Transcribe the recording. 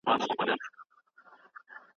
ایا ستا مقاله د بیاکتني لپاره استول سوي ده؟